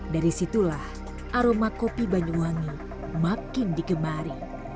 dari situlah aroma kopi banyuwangi makin digemari